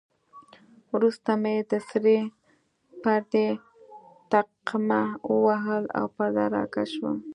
وروسته مې د سرې پردې تقمه ووهل او پرده را کش شوه.